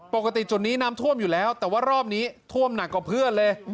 ปกติจุดนี้น้ำท่วมอยู่แล้วแต่ว่ารอบนี้ท่วมหนักกว่าเพื่อนเลย